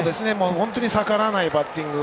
本当に逆らわないバッティング。